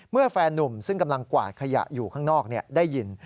แฟนนุ่มซึ่งกำลังกวาดขยะอยู่ข้างนอกได้ยิน